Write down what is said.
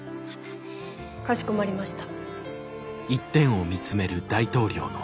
かしこまりました。